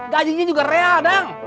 gajinya juga real dang